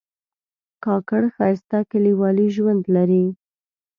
کاکړ ښایسته کلیوالي ژوند لري.